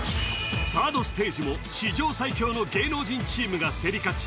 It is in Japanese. サードステージも史上最強の芸能人チームが競り勝ち